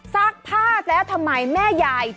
สะค้าแล้วทำไมไม่ทั้ง